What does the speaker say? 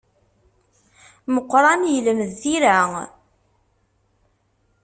Meqqran yelmed tira.